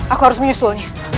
aku harus menyusulnya